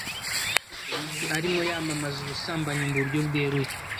arimo yamamaza ubusambanyi mu buryo bweruye